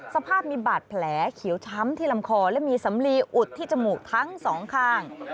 สภาพมีบาดแผลเขียวช้ำที่ลำคอและมีสำลีอุดที่จมูกทั้งสองข้าง